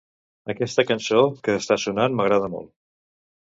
Aquesta cançó que està sonant m'agrada molt.